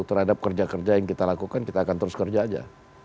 terhadap kerja kerja yang kita lakukan kita akan terus kerja aja